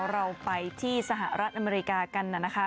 เราไปที่สหรัฐอเมริกากันนะคะ